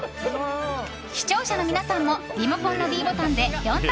視聴者の皆さんもリモコンのｄボタンで４択